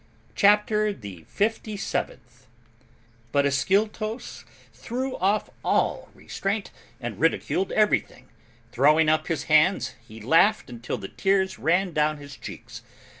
CHAPTER THE FIFTY SEVENTH. But Ascyltos threw off all restraint and ridiculed everything; throwing up his hands, he laughed until the tears ran down his cheeks.